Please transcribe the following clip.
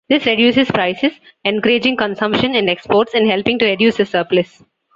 This reduces prices, encouraging consumption and exports and helping to reduce the surplus.